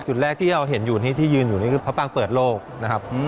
จุดแรกที่เราเห็นอยู่นี่ที่ยืนอยู่นี่คือพระปางเปิดโลกนะครับ